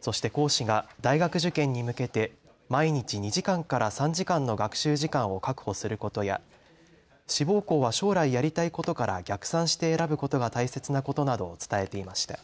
そして講師が大学受験に向けて毎日２時間から３時間の学習時間を確保することや志望校は将来やりたいことから逆算して選ぶことが大切なことなどを伝えていました。